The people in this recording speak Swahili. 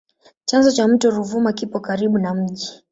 Chanzo cha mto Ruvuma kipo karibu na mji.